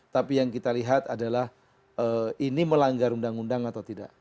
tapi yang kita lihat adalah ini melanggar undang undang atau tidak